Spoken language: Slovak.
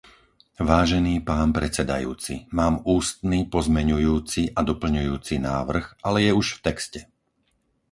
Vážený pán predsedajúci, mám ústny pozmeňujúci a doplňujúci návrh, ale je už v texte.